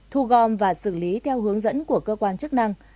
thu gom và xử lý theo hướng dẫn của cơ quan chức năng